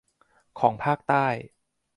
ของภาคใต้